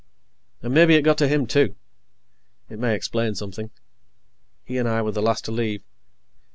And maybe it got to him, too. It may explain something. He and I were the last to leave.